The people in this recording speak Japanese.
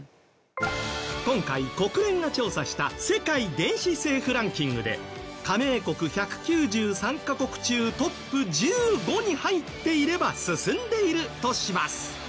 今回国連が調査した世界電子政府ランキングで加盟国１９３カ国中トップ１５に入っていれば進んでいるとします。